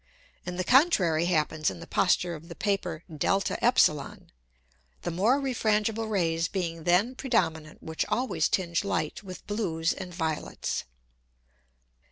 And the contrary happens in the posture of the Paper [Greek: de], the more refrangible Rays being then predominant which always tinge Light with blues and violets.